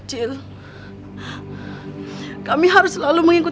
pula kami harus yang teratkan